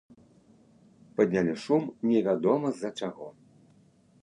Паднялі шум невядома з-за чаго!